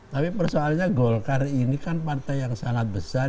tapi persoalannya golkar ini kan partai yang sangat besar